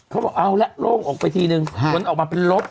เขาบอกเอาละโล่งออกไปทีนึงผลออกมาเป็นลบ